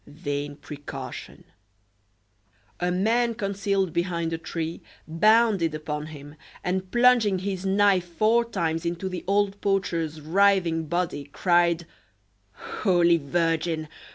Vain precaution! A man concealed behind a tree bounded upon him, and, plunging his knife four times into the old poacher's writhing body, cried: "Holy Virgin!